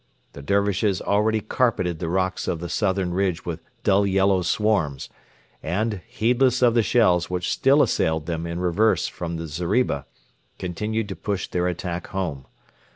The Dervishes already carpeted the rocks of the southern ridge with dull yellow swarms, and, heedless of the shells which still assailed them in reverse from the zeriba, continued to push their attack home.